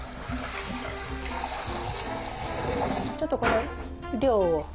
ちょっとこれ量を。